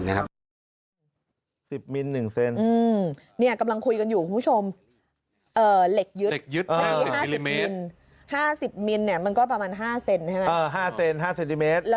๑๐มิลลิเมจ๑เซนตาล